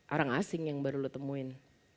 orang asing yang baru lo temuin